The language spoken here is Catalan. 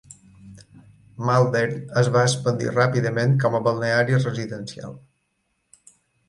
Malvern es va expandir ràpidament com a balneari residencial.